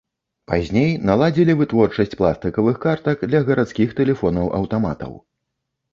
Пазней наладзілі вытворчасць пластыкавых картак для гарадскіх тэлефонаў-аўтаматаў.